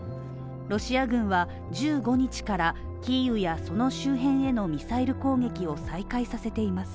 ロシア軍は１５日からキーウやその周辺へのミサイル攻撃を再開させています。